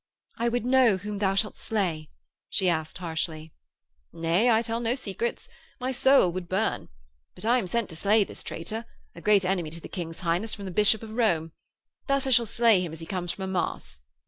'I would know whom thou shalt slay,' she asked harshly. 'Nay, I tell no secrets. My soul would burn. But I am sent to slay this traitor a great enemy to the King's Highness, from the Bishop of Rome. Thus I shall slay him as he comes from a Mass.'